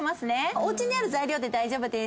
おうちにある材料で大丈夫です。